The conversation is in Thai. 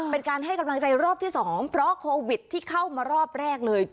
เป็นการให้กำลังใจรอบที่๒เพราะโควิดที่เข้ามารอบแรกเลย